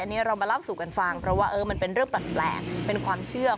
อันนี้เรามารับสู่กันฟังเพราะมันเป็นตอนแปลก